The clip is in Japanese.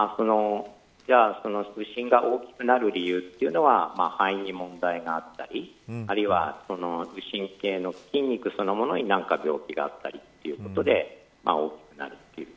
じゃあ、右心が大きくなる理由というのは肺に問題があったりあるいは右心系の筋肉そのものに何か病気があったりということで大きくなるという。